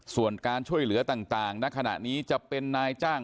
ส่วนการช่วยเหลือต่างณขณะนี้จะเป็นนายจ้าง